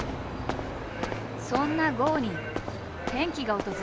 そんな郷に転機が訪れた。